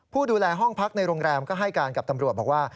ผู้ดูแลห้องพักในโรงแรมก็ให้การกับตำรวจบอกว่า